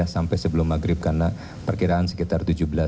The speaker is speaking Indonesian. sampai sebelum maghrib karena perkiraan sekitar tujuh belas